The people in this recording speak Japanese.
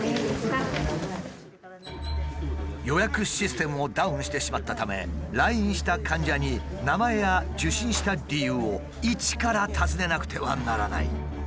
予約システムもダウンしてしまったため来院した患者に名前や受診した理由を一から尋ねなくてはならない。